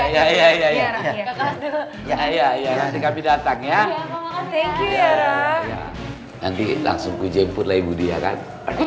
ya ya ya ya proprekt independently datang ya nanti langsung hazards ibu di cat